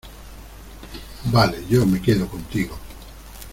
vale, yo me quedo contigo.